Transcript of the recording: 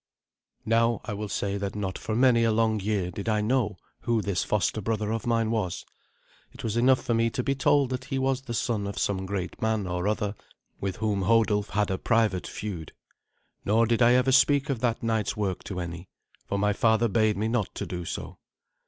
Now, I will say that not for many a long year did I know who this foster brother of mine was. It was enough for me to be told that he was the son of some great man or other with whom Hodulf had a private feud. Nor did I ever speak of that night's work to any, for my father bade me not to do so.